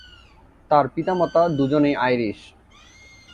তার পিতা-মাতা দুজনেই আইরিশ।